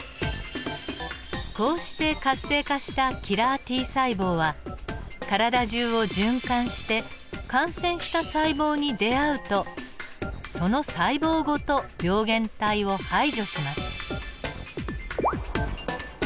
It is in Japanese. こうして活性化したキラーＴ細胞は体中を循環して感染した細胞に出会うとその細胞ごと病原体を排除します。